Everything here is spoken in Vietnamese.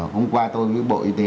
hôm qua tôi với bộ y tế